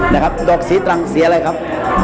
นะครับดอกสีตรังสีอะไรครับ